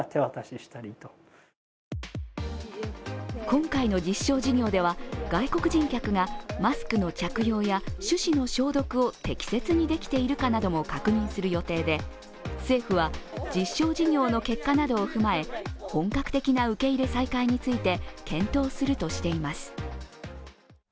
今回の実証事業では、外国人客がマスクの着用や、手指の消毒を適切にできているかなども確認する予定で政府は実証事業の結果などを踏まえ、本格的な受け入れ再開について検討しているとしています。